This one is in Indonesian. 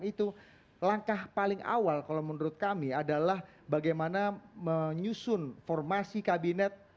itu langkah paling awal kalau menurut kami adalah bagaimana menyusun formasi kabinet